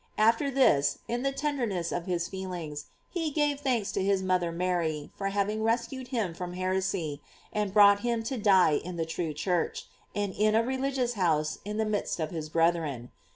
After this, in the tenderness of his feelings, he gave thanks to his mother Mary for having rescued him from heresy, and brought him to die in the true Church, and in a religious house in the midst of his brethren.